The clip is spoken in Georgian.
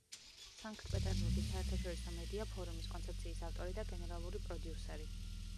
სანქტ-პეტერბურგის საერთაშორისო მედია ფორუმის კონცეფციის ავტორი და გენერალური პროდიუსერი.